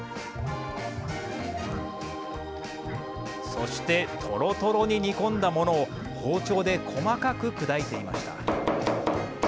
そしてとろとろに煮込んだものを包丁で細かく砕いていました。